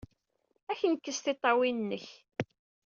Ad ak-d-nekkes tiṭṭawin-nnek!